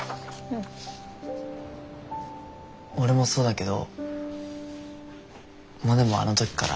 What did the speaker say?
俺もそうだけどモネもあの時から。